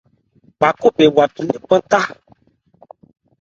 Gba khó bɛn wa thu nnephan thá.